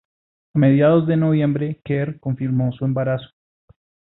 A mediados de noviembre Kerr confirmó su embarazo.